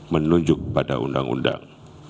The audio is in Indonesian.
menunjuk pada undang undang